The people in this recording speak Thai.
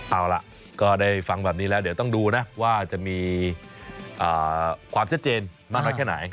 เอาล่ะก็ได้ฟังแบบนี้แล้วเดี๋ยวต้องดูนะว่าจะมีความชัดเจนมากน้อยแค่ไหน